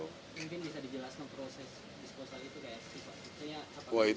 mungkin bisa dijelasin proses disposal itu kayak siapa